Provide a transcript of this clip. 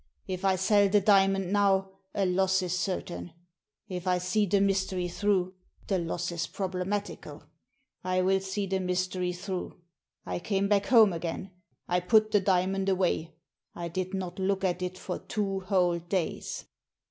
If I sell the diamond now, a loss is certain ; if I see the mystery through, the loss is problematical. I will see the mystery through.' I came back home agfain. I put the diamond away. I did not look at it for two whole days.